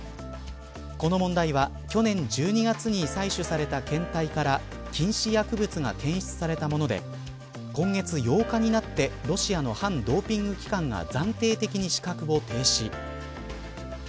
この問題は去年１２月に採取された検体から禁止薬物が検出されたもので今月８日になってロシアの反ドーピング機関が暫定的に資格を停止。